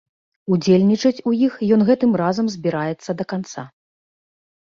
Удзельнічаць у іх ён гэтым разам збіраецца да канца.